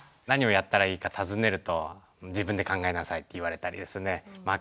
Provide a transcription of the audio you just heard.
何をやったらいいか尋ねると自分で考えなさいって言われたりですね